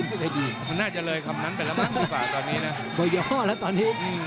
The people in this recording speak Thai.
มันน่าจะเลยคำนั้นไปแล้วมากดีกว่าตอนนี้นะ